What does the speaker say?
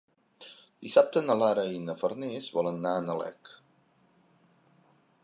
Dissabte na Lara i na Farners volen anar a Nalec.